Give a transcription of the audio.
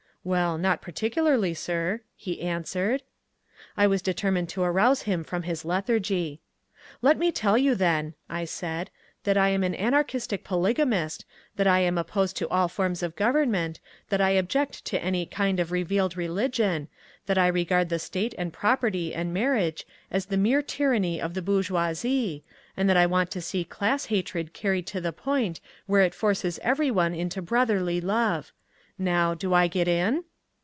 "Well, not particularly, sir," he answered. I was determined to arouse him from his lethargy. "Let me tell you, then," I said, "that I am an anarchistic polygamist, that I am opposed to all forms of government, that I object to any kind of revealed religion, that I regard the state and property and marriage as the mere tyranny of the bourgeoisie, and that I want to see class hatred carried to the point where it forces every one into brotherly love. Now, do I get in?"